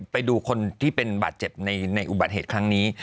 ไปดูคนที่เป็นบาดเจ็บในอุบัติเหตุครั้งนี้